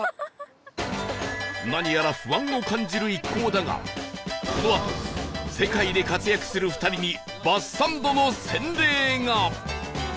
何やら不安を感じる一行だがこのあと世界で活躍する２人にえっ！